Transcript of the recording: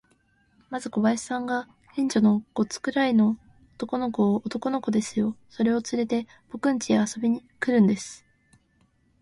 まず小林さんが、近所の五つくらいの男の子を、男の子ですよ、それをつれて、ぼくんちへ遊びに来るんです。